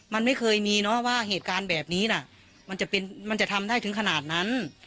มันไม่เคยมีเนอะว่าเหตุการณ์แบบนี้น่ะมันจะทำได้ถึงขนาดนั้น